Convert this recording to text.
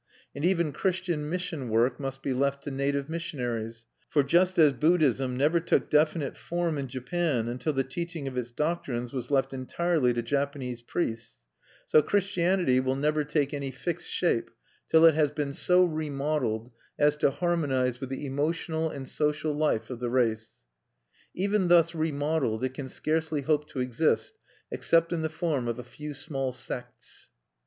And even Christian mission work must be left to native missionaries; for just as Buddhism never took definite form in Japan until the teaching of its doctrines was left entirely to Japanese priests, so Christianity will never take any fixed shape till it has been so remodeled as to harmonize with the emotional and social life of the race. Even thus remodeled it can scarcely hope to exist except in the form of a few small sects.